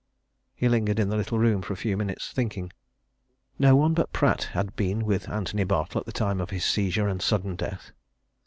He lingered in the little room for a few minutes, thinking. No one but Pratt had been with Antony Bartle at the time of his seizure and sudden death.